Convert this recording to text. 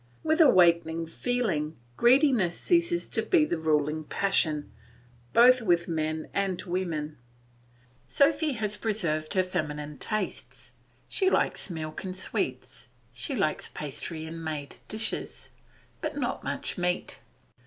With awakening feeling greediness ceases to be the ruling passion, both with men and women. Sophy has preserved her feminine tastes; she likes milk and sweets; she likes pastry and made dishes, but not much meat.